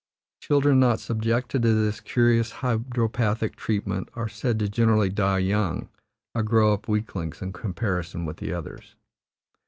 Children not subjected to this curious hydropathic treatment are said to generally die young, or grow up weaklings in comparison with the others.